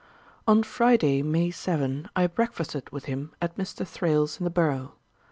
On Friday, May 7, I breakfasted with him at Mr. Thrale's in the Borough.